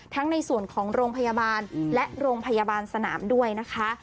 ในส่วนของโรงพยาบาลและโรงพยาบาลสนามด้วยนะคะ